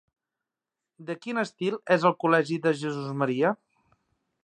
De quin estil és el col·legi de Jesús-Maria?